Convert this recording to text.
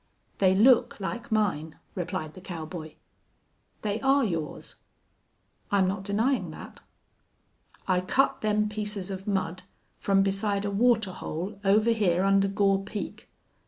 "They look like mine," replied the cowboy. "They are yours." "I'm not denying that." "I cut them pieces of mud from beside a water hole over hyar under Gore Peak.